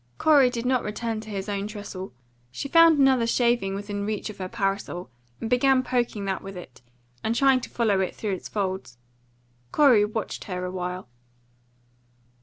Corey did not return to his own trestle. She found another shaving within reach of her parasol, and began poking that with it, and trying to follow it through its folds. Corey watched her a while.